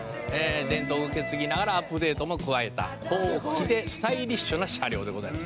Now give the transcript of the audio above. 「伝統を受け継ぎながらアップデートも加えた高貴でスタイリッシュな車両でございます」